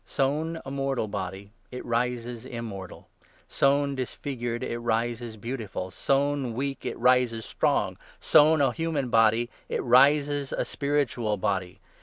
Sown a mortal body, it rises immortal ; sown disfigured, it rises beautiful ; sown weak, it rises strong ; sown a human body, it rises a spiritual body.